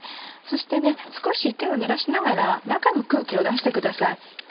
そして少し手を濡らしながら中の空気を出してください。